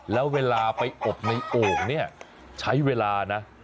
แล้วเวลาไปอบในโอ่งเนี่ยใช้เวลานะ